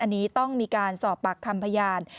อันนี้ต้องมีการสอบปากคำพยาน